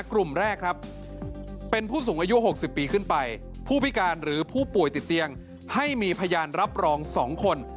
กลุ่มแรกครับเป็นผู้สูงอายุ๖๐ปีขึ้นไปผู้พิการหรือผู้ป่วยติดเตียงให้มีพยานรับรอง๒คน